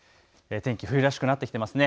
天気、冬らしくなってきてますね。